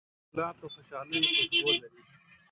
ګلاب د خوشحالۍ خوشبو لري.